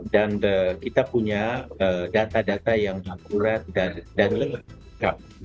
dan kita punya data data yang akurat dan lengkap